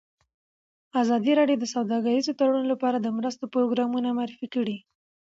ازادي راډیو د سوداګریز تړونونه لپاره د مرستو پروګرامونه معرفي کړي.